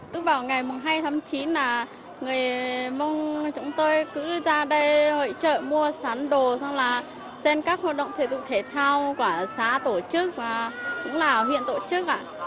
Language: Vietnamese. tức vào ngày hai tháng chín là người mong chúng tôi cứ ra đây hội trợ mua sắn đồ xong là xem các hoạt động thể dục thể thao của xã tổ chức và cũng là huyện tổ chức ạ